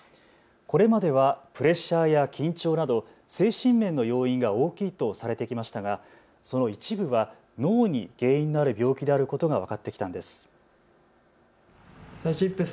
これまではプレッシャーや緊張など精神面の要因が大きいとされてきましたが、その一部は脳に原因のある病気であることが分かってきたんです。